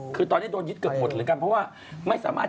คือตอนนี้โดนยึดเกือบหมดเหมือนกันเพราะว่าไม่สามารถ